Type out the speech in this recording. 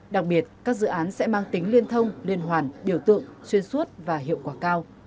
đặc biệt các dự án sẽ mang tính liên thông liên hoàn biểu tượng xuyên suốt và hiệu quả cao